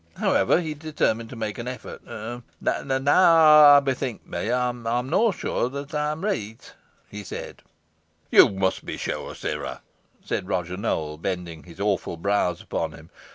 However, he determined to make an effort. "Now ey bethink me, ey'm naw sure that ey'm reet," he said. "You must be sure, sirrah," said Roger Nowell, bending his awful brows upon him.